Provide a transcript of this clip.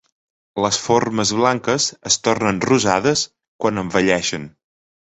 Les formes blanques es tornen rosades quan envelleixen.